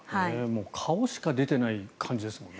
顔しか出てない感じですよね。